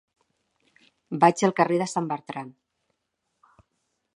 Vaig al carrer de Sant Bertran.